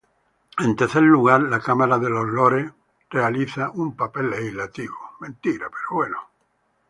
En tercer lugar la Cámara de los Lores realiza un papel legislativo.